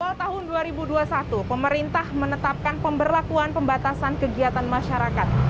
awal tahun dua ribu dua puluh satu pemerintah menetapkan pemberlakuan pembatasan kegiatan masyarakat